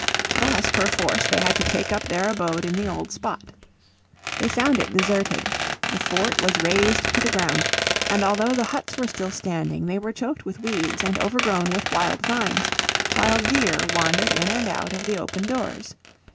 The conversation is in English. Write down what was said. Thus perforce they had to take up their abode in the old spot. They found it deserted. The fort was razed to the ground, and although the huts were still standing they were choked with weeds and overgrown with wild vines, while deer wandered in and out of the open doors.